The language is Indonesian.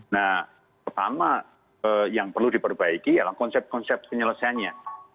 nah pertama yang perlu diperbaiki adalah konsep konsep penyelesaiannya